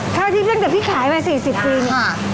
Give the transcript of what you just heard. ถ้าวันนี้ตั้งแต่พี่ขายมา๔๐ปีนี่ค่ะ